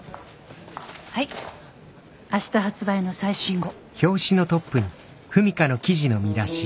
はい明日発売の最新号。